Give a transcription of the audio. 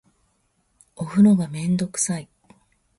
お風呂がめんどくさい